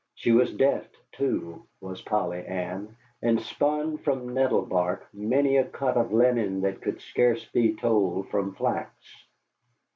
She was deft, too, was Polly Ann, and spun from nettle bark many a cut of linen that could scarce be told from flax.